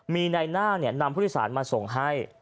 มีนายหน้านำพฤษศาสถ์มาส่งให้